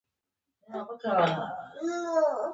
حشمتي به د مینې په څېره کې خفګان لیده